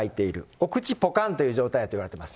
お口ぽかんという状態やといわれてます。